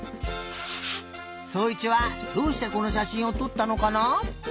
そういちはどうしてこのしゃしんをとったのかな？